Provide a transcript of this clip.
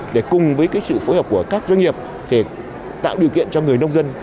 để cùng với sự phối hợp của các doanh nghiệp tạo điều kiện cho người nông dân